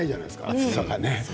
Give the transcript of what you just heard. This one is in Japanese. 暑さがね。